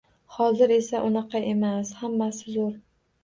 Hozir esa, unaqa emas. Hammasi zo‘r.